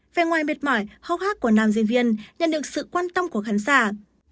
về ngoài mệt mỏi hốc hắc của nam diễn viên nhận được sự quan tâm của khán giả